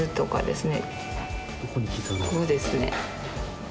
ここですね。